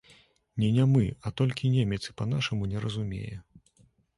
Не нямы, а толькі немец і па-нашаму не разумее.